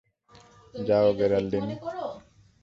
যাও, গেরাল্ডিন!